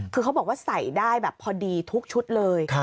คือเขาบอกว่าใส่ได้แบบพอดีทุกชุดเลย